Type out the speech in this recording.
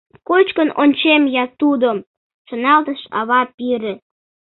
— «Кочкын ончем-я тудым!..» — шоналтыш ава пире.